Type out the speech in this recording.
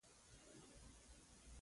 ددې لپاره چې تاسو ته ګران شخص راشي.